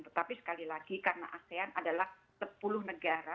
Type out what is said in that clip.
tetapi sekali lagi karena asean adalah sepuluh negara